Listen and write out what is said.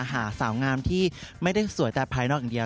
หาสาวงามที่ไม่ได้สวยแต่ภายนอกอย่างเดียว